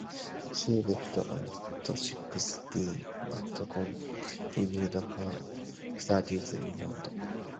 She left at sixteen, but continued her studies in London.